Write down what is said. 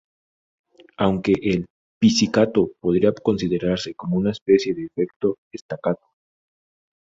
Aunque, el "pizzicato" podría considerarse como una especie de efecto staccato.